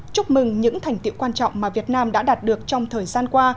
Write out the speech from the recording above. chúc mừng những thành tiệu quan trọng mà việt nam đã đạt được trong thời gian qua